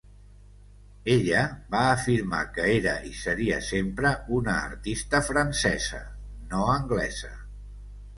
Ella va afirmar que era i seria sempre, una artista francesa, no anglesa.